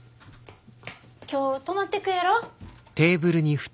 今日泊まってくやろ？